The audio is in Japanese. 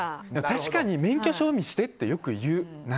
確かに免許証見せてってよく言う。